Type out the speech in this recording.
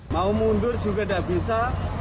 mau mundur juga tidak bisa